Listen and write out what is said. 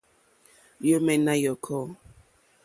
Lyǒmɛ̀ nà yɔ̀kɔ́.